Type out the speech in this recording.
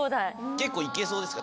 結構行けそうですか？